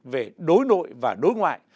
về đối nội và đối ngoại